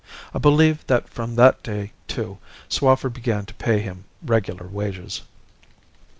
I believe that from that day, too, Swaffer began to pay him regular wages.